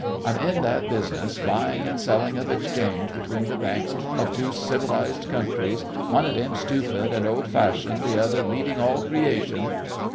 I'm in that business, buying and selling of exchange between the banks of two civilised countries, one of them stoopid and old fashioned, the other leading all creation...!"